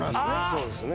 そうですよね